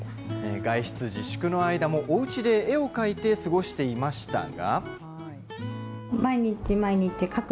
外出自粛の間もおうちで絵を描いて過ごしていましたが。